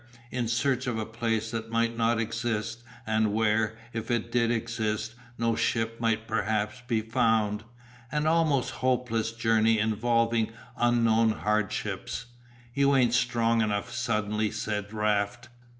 In search of a place that might not exist, and where, if it did exist, no ship might perhaps be found. An almost hopeless journey involving unknown hardships. "You ain't strong enough," suddenly said Raft.